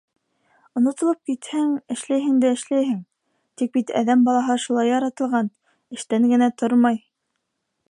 Онотолоп китһәң, эшләйһең дә эшләйһең, тик бит әҙәм балаһы шулай яратылған: эштән генә тормай.